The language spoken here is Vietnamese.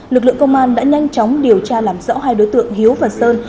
lực lượng công an đã nhanh chóng điều tra làm rõ hai đối tượng hiếu và sơn